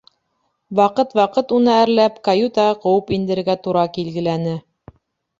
Ваҡыт-ваҡыт уны әрләп, каютаға ҡыуып индерергә тура килгеләне.